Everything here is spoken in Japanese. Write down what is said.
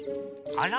あら？